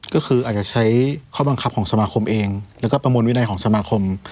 ก็คืออาจจะใช้ข้อบังคับของสมาคมเองแล้วก็ประมวลวินัยของสมาคม